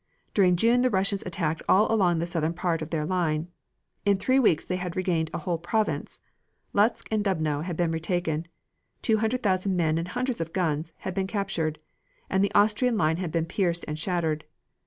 During June the Russians attacked all along the southern part of their line. In three weeks they had regained a whole province. Lutsk and Dubno had been retaken; two hundred thousand men and hundreds of guns, had been captured, and the Austrian line had been pierced and shattered.